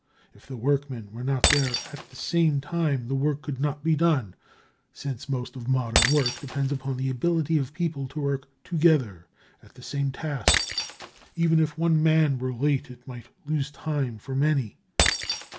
If the workmen were not there at the same time, the work could not be done, since most of modern work depends upon the ability of people to work together at the same task. Even if one man were late, it might lose time for many.